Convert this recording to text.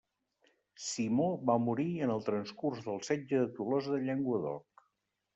Simó va morir en el transcurs del setge de Tolosa de Llenguadoc.